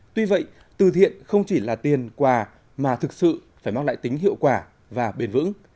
tuy vậy từ thiện không chỉ là tiền quà mà thực sự phải mang lại tính hiệu quả và bền vững